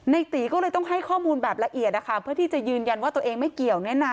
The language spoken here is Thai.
ตีก็เลยต้องให้ข้อมูลแบบละเอียดเพื่อที่จะยืนยันว่าตัวเองไม่เกี่ยว